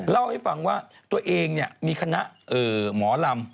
เล่าให้ฟังว่าตัวเองมีคณะหมอลำ